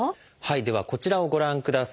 ではこちらをご覧ください。